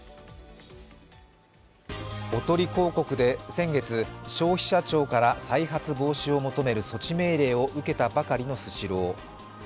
おとり広告で先月、消費者庁から再発防止を求める措置命令を受けたばかりのスシロー。